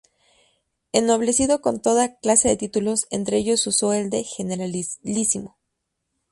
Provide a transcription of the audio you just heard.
Ennoblecido con toda clase de títulos, entre ellos usó el de "Generalísimo".